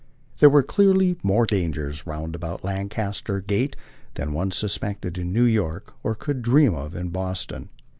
There were clearly more dangers roundabout Lancaster Gate than one suspected in New York or could dream of in Boston.